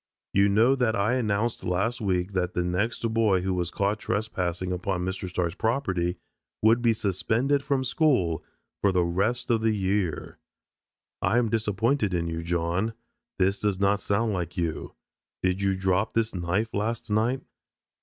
You know that I announced last week that the next boy who was caught trespassing upon Mr. Starks' property would be suspended from school for the rest of the year. I am disappointed in you, John. This does not sound like you. Did you drop this knife last night?"